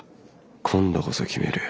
今度こそ決める！